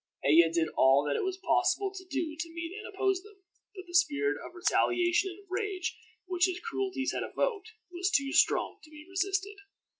Ella did all that it was possible to do to meet and oppose them, but the spirit of retaliation and rage which his cruelties had evoked was too strong to be resisted.